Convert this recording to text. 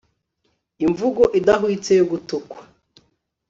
Imvugo idahwitse yo gutukwa